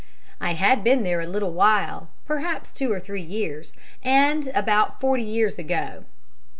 I had been there a little while perhaps two or three years and about forty years ago.